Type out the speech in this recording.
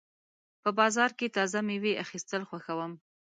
په بازار کې تازه مېوې اخیستل خوښوم.